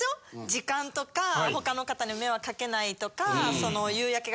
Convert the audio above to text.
時間とか他の方に迷惑かけないとか。